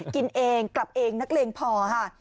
กินเองกลับเองนักเลงพอค่ะ